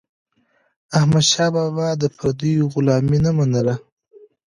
احمدشاه بابا د پردیو غلامي نه منله.